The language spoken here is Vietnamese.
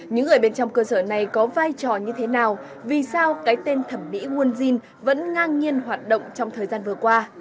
những người bên trong cơ sở này có vai trò như thế nào vì sao cái tên thẩm mỹ won jin vẫn ngang nhiên hoạt động trong thời gian vừa qua